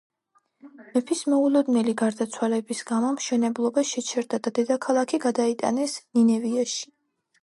მეფის მოულოდნელი გარდაცვალების გამო მშენებლობა შეჩერდა და დედაქალაქი გადაიტანეს ნინევიაში.